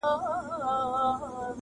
• او خپل درد بيانوي خاموشه..